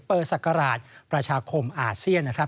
เปอร์สักกระหลาดประชาคมอาเซียนนะครับ